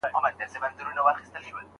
نو مانا یې زده کېږي.